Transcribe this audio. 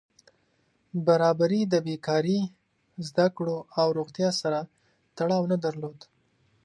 برابري د بېکاري، زده کړو او روغتیا سره تړاو نه درلود.